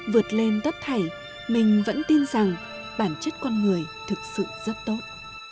vượt lên tất thảy mình vẫn tin rằng bản chất con người thực sự rất tốt